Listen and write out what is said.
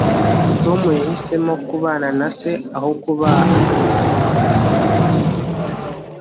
tom yahisemo kubana na se aho kuba nyina